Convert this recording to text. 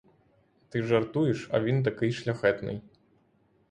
Ти жартуєш, а він такий шляхетний.